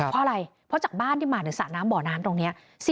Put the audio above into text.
พออะไรเพราะจากบ้านที่หมาหนึ่งสระน้ำบ่อน้านตรงนี้